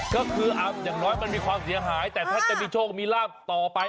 ก็คืออย่างน้อยมันมีความเสียหายแต่ถ้าจะมีโชคมีลาบต่อไป